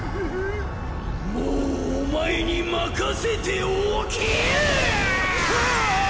もうお前に任せておけん！